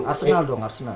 arsenal dong arsenal